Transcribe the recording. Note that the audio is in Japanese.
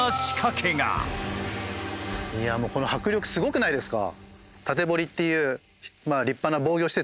いやもうこの迫力すごくないですか？